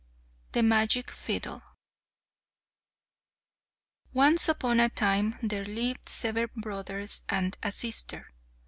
The Magic Fiddle Once upon a time there lived seven brothers and a sister.